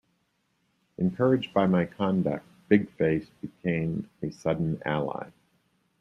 Encouraged by my conduct, Big-Face became a sudden ally.